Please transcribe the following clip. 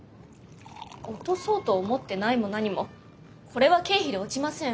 落とそうと思ってないもなにもこれは経費で落ちません。